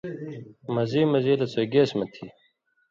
مزی مزی لہ سُوئ گیس مہ تھی